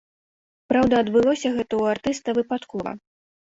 Праўда, адбылося гэта ў артыста выпадкова.